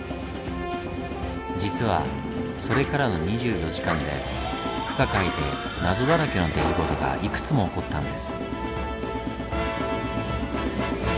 実はそれからの２４時間で不可解で謎だらけの出来事がいくつも起こったんです。